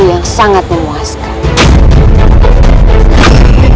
yang sangat memuaskan